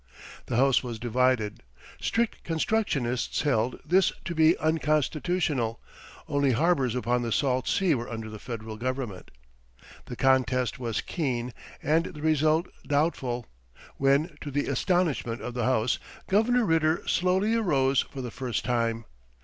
The house was divided. Strict constructionists held this to be unconstitutional; only harbors upon the salt sea were under the Federal Government. The contest was keen and the result doubtful, when to the astonishment of the House, Governor Ritter slowly arose for the first time.